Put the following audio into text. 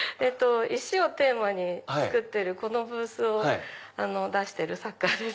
石をテーマに作ってるこのブースを出してる作家です。